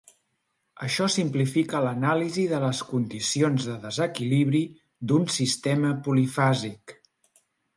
Això simplifica l'anàlisi de les condicions de desequilibri d'un sistema polifàsic.